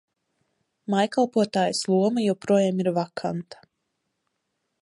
Mājkalpotājas loma joprojām ir vakanta.